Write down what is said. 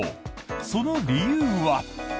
その理由は。